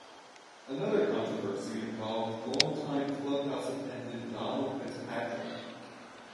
Another controversy involved longtime clubhouse attendant Donald Fitzpatrick.